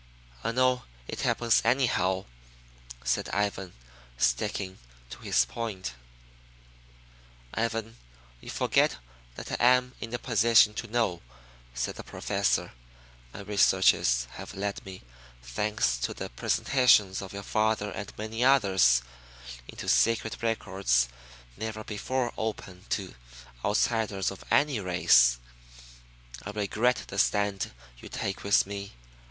"I know it happens anyhow," said Ivan, sticking to his point. "Ivan, you forget that I am in a position to know," said the Professor. "My researches have led me, thanks to the presentations of your father and many others, into secret records never before opened to outsiders of any race. I regret the stand you take with me.